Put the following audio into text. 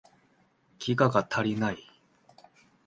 ギガが足りない